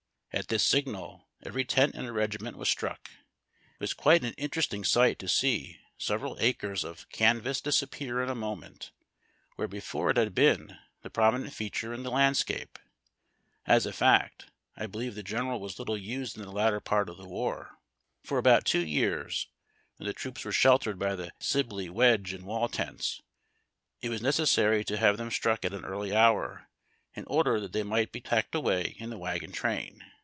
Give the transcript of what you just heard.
At this signal, every tent in a regiment v/as struck. It was quite an interesting siglit to see several acres of canvas disappear in a moment, where before it had been the jjromi nent feature in the landscape. As a fact, I believe the General was little used in the latter part of the war. For about two years, when the troops were sheltered by the Sibley, Wedge, and Wall tents, it was necessary to have them struck at an early hour, in order tliat they might bs packed away in tlie wagon train.